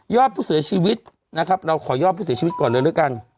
อดผู้เสียชีวิตนะครับเราขอยอดผู้เสียชีวิตก่อนเลยด้วยกัน